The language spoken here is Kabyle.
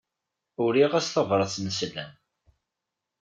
Uriɣ-as tabrat n sslam.